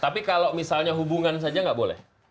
tapi kalau misalnya hubungan saja nggak boleh